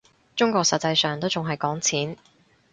中國實際上都仲係講錢